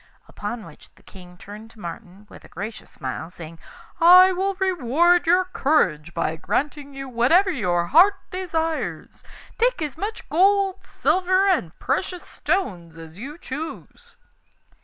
Upon which the King turned to Martin with a gracious smile, saying: 'I will reward your courage by granting you whatever your heart desires. Take as much gold, silver, and precious stones as you choose.